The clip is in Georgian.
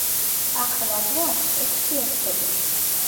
ახლა გვაქვს ექვსი ერთეული.